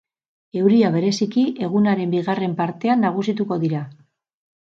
Euria, bereziki, egunaren bigarren partean nagusituko dira.